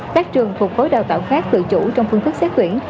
các trường thuộc khối đào tạo khác tự chủ trong phương thức xét tuyển